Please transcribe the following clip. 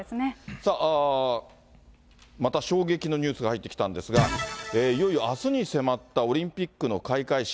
さあ、また衝撃のニュースが入ってきたんですが、いよいよあすに迫ったオリンピックの開会式。